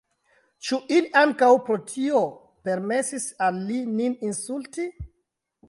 Ĉu ili ankaŭ pro tio permesis al li nin insulti?